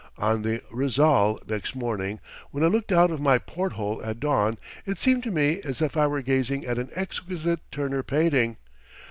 On the Rizal next morning, when I looked out of my porthole at dawn, it seemed to me as if I were gazing at an exquisite Turner painting.